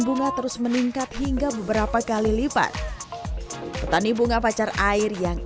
bunga terus meningkat hingga beberapa kali lipat petani bunga pacar air yang